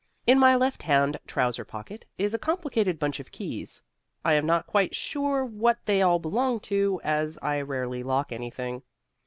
In my left hand trouser pocket is a complicated bunch of keys. I am not quite sure what they all belong to, as I rarely lock anything.